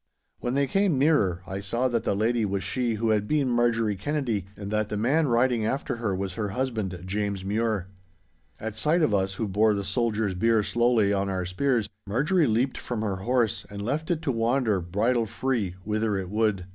When they came nearer, I saw that the lady was she who had been Marjorie Kennedy, and that the man riding after was her husband, James Mure. At sight of us who bore the soldier's bier slowly on our spears, Marjorie leaped from her horse, and left it to wander, bridle free, whither it would.